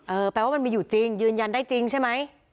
แปลว่ามันมีอยู่จริงยืนยันได้จริงใช่ไหม